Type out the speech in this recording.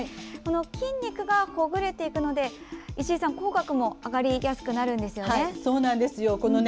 筋肉がほぐれていくので石井さん、口角も上がりやすくなるんですよね。